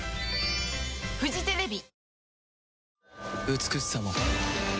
美しさも